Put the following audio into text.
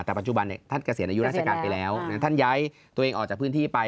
แต่ปัจจุบันท่านเกษียณอายุราชการไปแล้วท่านย้ายตัวเองออกจากพื้นที่ไป